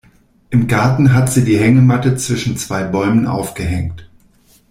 Im Garten hat sie die Hängematte zwischen zwei Bäumen aufgehängt.